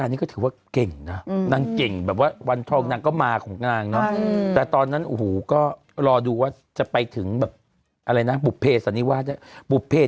นี่ไงนัมเบอร์วันเหมือนกันคนนี้เขานัมเบอร์วันยืนหนึ่ง